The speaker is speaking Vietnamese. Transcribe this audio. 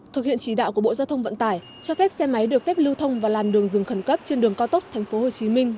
thực hiện chỉ đạo của bộ giao thông vận tải cho phép xe máy được phép lưu thông vào làn đường dừng khẩn cấp trên đường cao tốc thành phố hồ chí minh